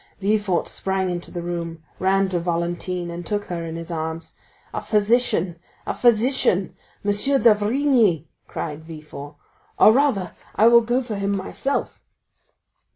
Villefort sprang into the room, ran to Valentine, and took her in his arms. "A physician, a physician,—M. d'Avrigny!" cried Villefort; "or rather I will go for him myself."